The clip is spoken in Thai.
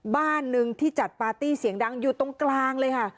บ้านหนึ่งที่จัดปาร์ตี้เสียงดังอยู่ตรงกลางเลยค่ะ